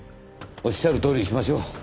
おっしゃるとおりにしましょう。